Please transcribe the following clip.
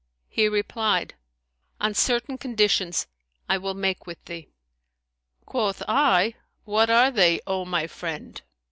He replied, On certain conditions I will make with thee.' Quoth I What are they, O my friend?'